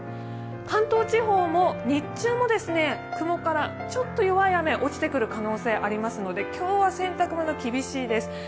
関東地方も日中も雲からちょっと弱い雨、落ちてくる可能性ありますので今日は洗濯物、厳しいです。